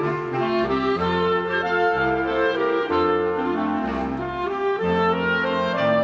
สวัสดีครับสวัสดีครับ